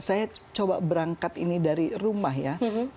saya coba berangkat ini dari rumah ya